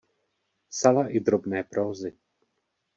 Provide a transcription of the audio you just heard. Psala i drobné prózy.